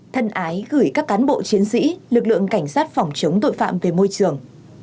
thân ái gửi các cán bộ chiến sĩ lực lượng cảnh sát phòng chống tội phạm về môi trường